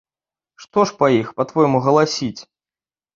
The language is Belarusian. Што ж па іх, па-твойму, галасіць?